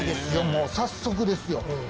もう早速ですよ。